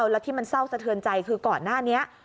แล้วที่มันเศร้าสะเทือนใจคือก่อนหน้านี้